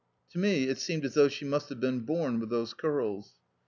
To me it seemed as though she must have been born with those curls.